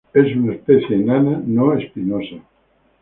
Es una especie enana no espinosa.